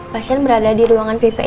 pasien berada di ruangan ppe satu pak